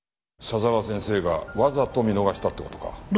佐沢先生がわざと見逃したって事か。